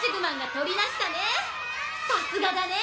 さすがだね！